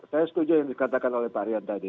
saya setuju yang dikatakan oleh pak rian tadi